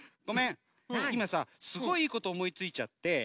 ごめんいまさすごいいいことおもいついちゃって。